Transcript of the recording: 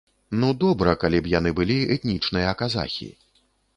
Ну добра, калі б яны былі этнічныя казахі.